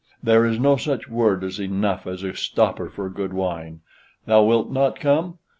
There is no such word as enough as a stopper for good wine. Thou wilt not come?